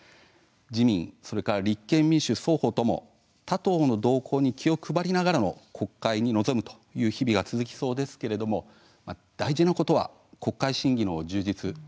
自民、立憲、民主双方とも他党の動向に気を配りながらの国会に臨むという日々が続きそうですけれども大事なことは国会審議の充実